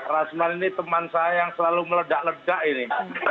rasman ini teman saya yang selalu meledak ledak ini